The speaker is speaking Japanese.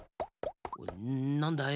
なんだい？